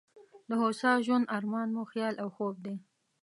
د هوسا ژوند ارمان مو خیال او خوب دی.